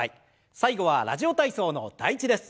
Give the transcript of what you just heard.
最後は「ラジオ体操」の第１です。